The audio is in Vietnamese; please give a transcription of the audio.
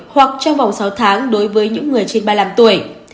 hoặc trong vòng sáu tháng đối với những người trên ba mươi năm tuổi